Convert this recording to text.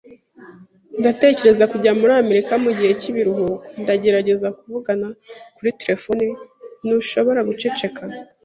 Ndatekereza kujya muri Amerika mugihe cyibiruhuko. Ndagerageza kuvugana kuri terefone. Ntushobora guceceka?